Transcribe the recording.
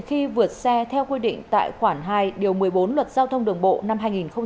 khi vượt xe theo quy định tại khoảng hai một mươi bốn luật giao thông đường bộ năm hai nghìn tám